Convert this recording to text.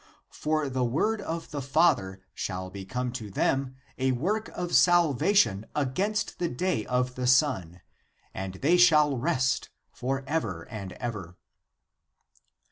For the word of the Father shall become to them a work of salva tion against the day of the Son, and they shall rest ^^ for ever and ever."